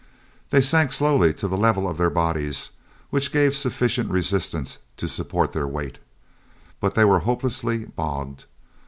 They sank slowly to the level of their bodies, which gave sufficient resistance to support their weight, but they were hopelessly bogged.